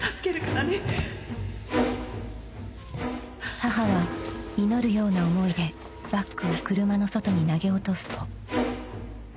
［母は祈るような思いでバッグを車の外に投げ落とすと］